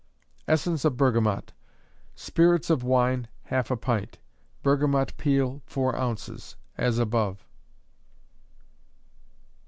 Essence of Bergamot. Spirits of wine, half a pint; bergamot peel, four ounces: as above.